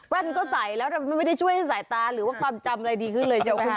ว่านก็ใส่แล้วไม่ได้ช่วยใส่ตาหรือว่าความจำอะไรดีขึ้นเลยใช่ไหมฮะ